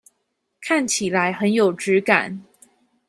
看起來很有質感